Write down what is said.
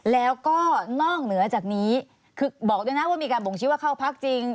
แล้วก็นอกเหนือจากนี้คือบอกด้วยนะว่ามีการบ่งชี้ว่าเข้าพักจริง